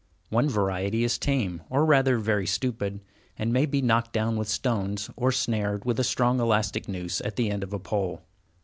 One variety is tame, or rather very stupid, and may be knocked down with stones, or snared with a strong elastic noose at the end of a pole.